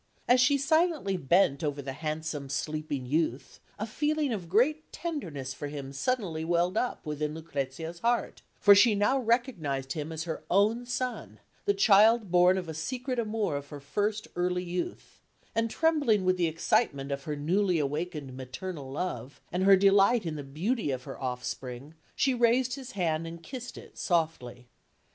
As she silently bent over the handsome sleeping youth, a feeling of great tenderness for him suddenly welled up within Lucrezia's heart, for she now recognised him as her own son, the child born of a secret amour of her first early youth; and trembling with the excitement of her newly awakened maternal love, and her delight in the beauty of her offspring, she raised his hand and kissed it softly.